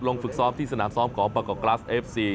ฝึกซ้อมที่สนามซ้อมของประกอบกลัสเอฟซี